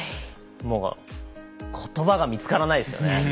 もう、ことばが見つからないですよね